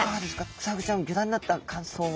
クサフグちゃんをギョ覧になった感想は。